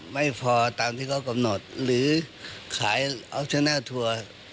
ไม่พอตามที่เขากำหนดหรือขายออฟเทนเนอร์ทัวร์